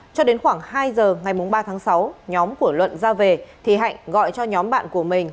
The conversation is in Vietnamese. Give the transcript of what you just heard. cho đến khoảng hai giờ ngày ba tháng sáu nhóm của luận ra về thì hạnh gọi cho nhóm bạn của mình